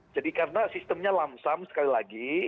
jadi karena sistemnya lamsam sekali lagi